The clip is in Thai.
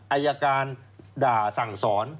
อายการด่าสั่งสอน